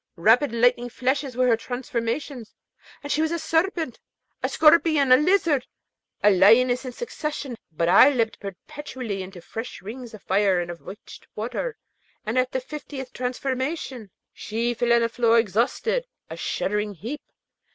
Rapid lightning flashes were her transformations, and she was a serpent, a scorpion, a lizard, a lioness in succession, but I leapt perpetually into fresh rings of fire and of witched water; and at the fiftieth transformation, she fell on the floor exhausted, a shuddering heap.